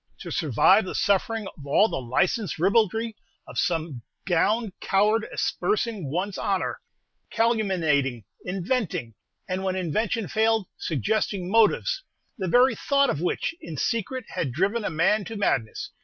To survive the suffering of all the licensed ribaldry of some gowned coward aspersing one's honor, calumniating, inventing, and, when invention failed, suggesting motives, the very thought of which in secret had driven a man to madness!